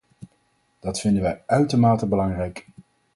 Dat vinden wij uitermate belangrijk.